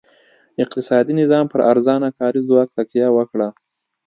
اقتصادي نظام پر ارزانه کاري ځواک تکیه وکړه.